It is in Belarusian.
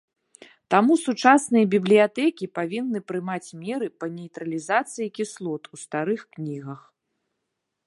Таму сучасныя бібліятэкі павінны прымаць меры па нейтралізацыі кіслот у старых кнігах.